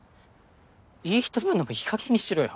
いい人ぶるのもいいかげんにしろよ。